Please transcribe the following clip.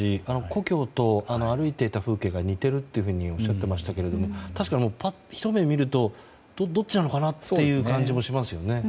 故郷と歩いていた風景が似ているとおっしゃっていましたけど確かに、ひと目見るとどっちなのかなという感じがしますよね。